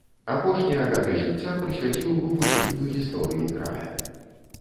Апошнія гады жыцця прысвяціў вывучэнню гісторыі края.